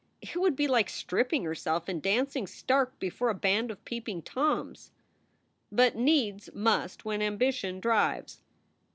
It would be like stripping herself and dancing stark before a band of peeping Toms. But needs must when ambition drives.